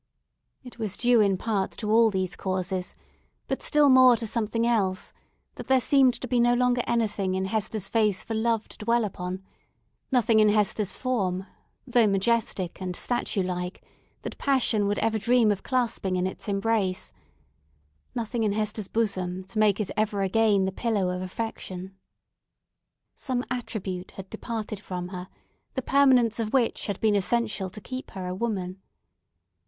It was due in part to all these causes, but still more to something else, that there seemed to be no longer anything in Hester's face for Love to dwell upon; nothing in Hester's form, though majestic and statue like, that Passion would ever dream of clasping in its embrace; nothing in Hester's bosom to make it ever again the pillow of Affection. Some attribute had departed from her, the permanence of which had been essential to keep her a woman.